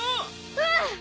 うん！